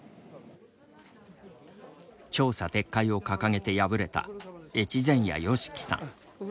調査撤回を掲げて敗れた越前谷由樹さん。